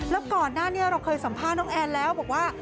แล้วก่อนหน้านี้เราเคยสัมภาษณ์น้องแอนแล้วบอกว่า